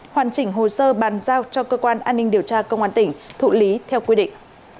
hoàn chỉnh hồ sơ bàn giao cho cơ quan an ninh điều tra công an tỉnh thụ lý theo quy định